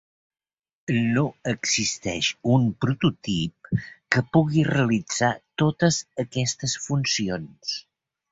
No existeix un prototip que pugui realitzar totes aquestes funcions.